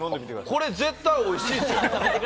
これ、絶対おいしいですよ。